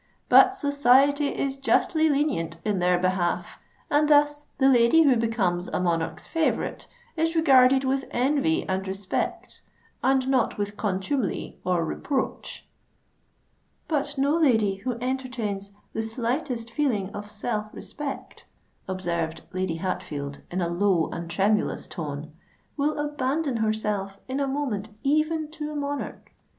But society is justly lenient in their behalf; and thus the lady who becomes a monarch's favourite, is regarded with envy and respect, and not with contumely or reproach." "But no lady who entertains the slightest feeling of self respect," observed Lady Hatfield, in a low and tremulous tone, "will abandon herself in a moment even to a monarch.